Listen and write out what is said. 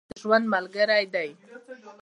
• ساعت د ژوند یو ملګری دی.